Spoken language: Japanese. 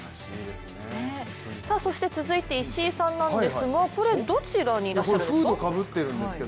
続いて石井さんなんですがこれどちらにいらっしゃるんですか？